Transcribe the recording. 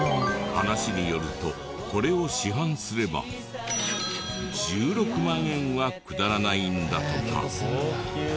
話によるとこれを市販すれば１６万円は下らないんだとか。